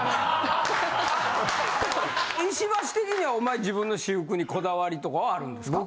石橋的にはお前自分の私服にこだわりとかはあるんですか？